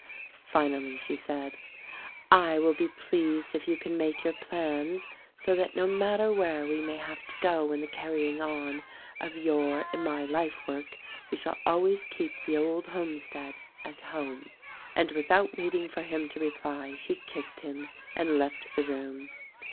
Finally she said : "I will be pleased if you can make your plans so that no matter where we may have to go in the carry ing on of your and my life work we shall always keep the old homestead as Home." 274 THE RECORDING ANGEL And without waiting for him to reply she kissed him and ieft the room.